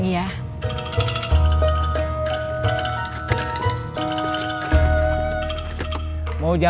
gimana mau diancam